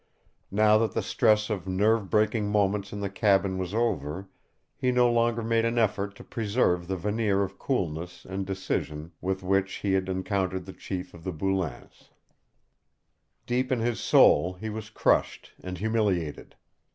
Now that the stress of nerve breaking moments in the cabin was over, he no longer made an effort to preserve the veneer of coolness and decision with which he had encountered the chief of the Boulains. Deep in his soul he was crushed and humiliated.